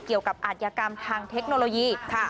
เกี่ยวกับอาชญากรรมทางเทคโนโลยีค่ะ